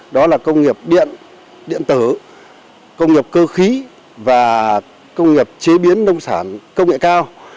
đó là công nghiệp điện điện tử công nghiệp cơ khí và công nghiệp chế biến nông sản công nghệ cao